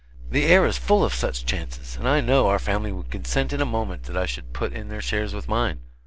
The air is full of such chances, and I know our family would consent in a moment that I should put in their shares with mine.